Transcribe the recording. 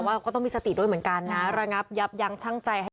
ว่าก็ต้องมีสติด้วยเหมือนกันนะระงับยับยั้งช่างใจให้